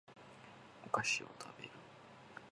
お菓子を食べる